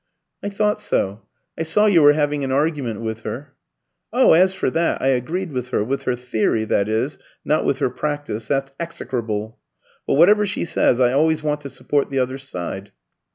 "I thought so. I saw you were having an argument with her." "Oh, as for that, I agreed with her with her theory, that is, not with her practice; that's execrable. But whatever she says I always want to support the other side."